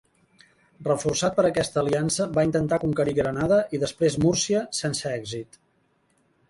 Reforçat per aquesta aliança va intentar conquerir Granada i després Múrcia sense èxit.